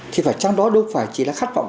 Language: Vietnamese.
thì phải chăng đó đâu phải chỉ là khát vọng